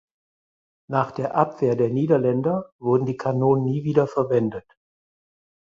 Nach der Abwehr der Niederländer wurden die Kanonen nie wieder verwendet.